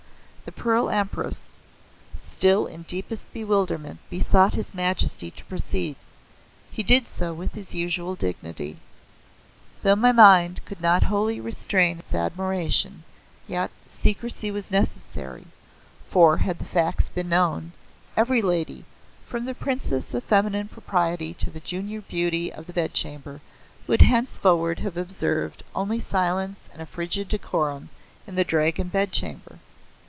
The Pearl Empress, still in deepest bewilderment, besought his majesty to proceed. He did so, with his usual dignity. "Though my mind could not wholly restrain its admiration, yet secrecy was necessary, for had the facts been known, every lady, from the Princess of Feminine Propriety to the Junior Beauty of the Bed Chamber would henceforward have observed only silence and a frigid decorum in the Dragon Bed Chamber.